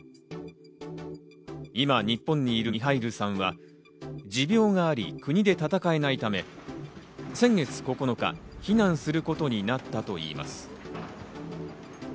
今、日本にいるミハイルさんは持病があり、国で戦えないため、先月９日、避難することになったといいます。